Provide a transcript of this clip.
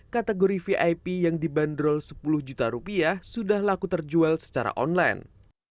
kategori vip yang dibanderol sepuluh juta rupiah sudah laku terjual secara online